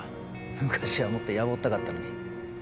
昔はもっとやぼったかったのに。